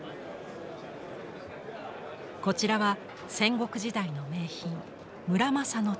こちらは戦国時代の名品村正の短刀。